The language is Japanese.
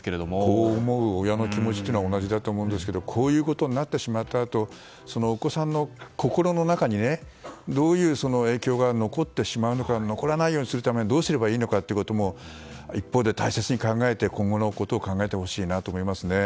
子を思う親の気持ちは同じだと思うんですがこういうことになってしまったあとお子さんの心の中にどういう影響が残ってしまうのか残らないようにするためにどうすればいいのかということも一方で大切に考えて今後のことを考えてほしいですね。